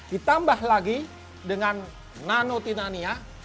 ditambah lagi dengan nanotinania